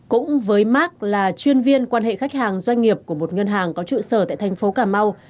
cũng với mark là chuyên viên quan hệ khách hàng doanh nghiệp của một ngân hàng có trụ sở tại thành phố cà mau